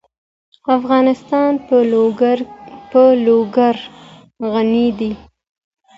افغانستان په لوگر غني دی.